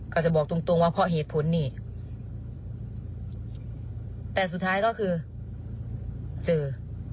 ก็จะบอกตรงตรงว่าเพราะเหตุผลนี่แต่สุดท้ายก็คือเจอ